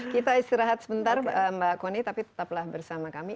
kita istirahat sebentar mbak kony tapi tetaplah bersama kami